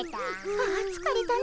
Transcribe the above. ああつかれたね。